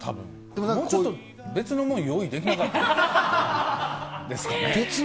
もうちょっと別のもん用意できなかったのかな。